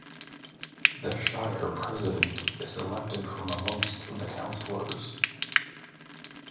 The shire president is elected from amongst the councillors.